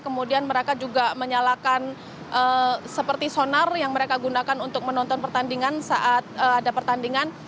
kemudian mereka juga menyalakan seperti sonar yang mereka gunakan untuk menonton pertandingan saat ada pertandingan